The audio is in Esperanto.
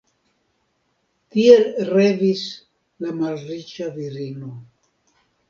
Tiel revis la malriĉa virino.